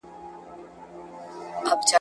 ته به کور سې د تورمخو ځالګیو ..